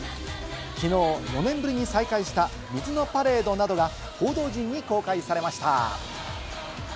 きのう４年ぶりに再開した水のパレードなどが報道陣に公開されました。